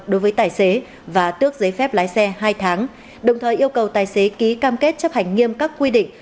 đối với tài xế và tước giấy phép lái xe hai tháng đồng thời yêu cầu tài xế ký cam kết chấp hành nghiêm các quy định